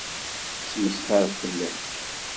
Tettmesxiṛ fell-ak.